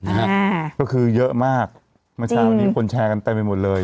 นะฮะก็คือเยอะมากเมื่อเช้านี้คนแชร์กันเต็มไปหมดเลย